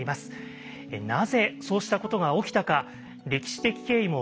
なぜそうしたことが起きたか歴史的経緯も